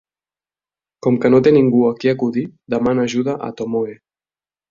Com que no té ningú a qui acudir, demana ajuda a Tomoe.